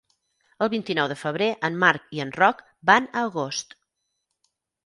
El vint-i-nou de febrer en Marc i en Roc van a Agost.